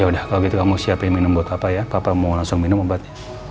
yaudah kalo gitu kamu siapin minum buat papa ya papa mau langsung minum obatnya